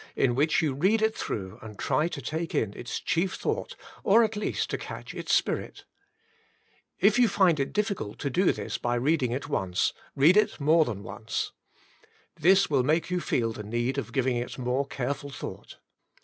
— in which you read it through and try to take in its chief thought, or at least to catch its spirit. If you find it difficult to do this by reading it once, read 138 Psalm cxix and Its Teaching 139 it more than once. This will make you feel the need of giving it more careful thought.